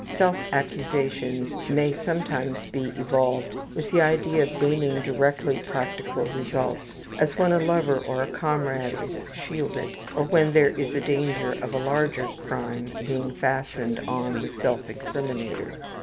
Self accusations may sometimes be evolved with the idea of gaining directly practical results, as when a lover or a comrade is shielded, or when there is danger of a larger crime being fastened on the self incriminator.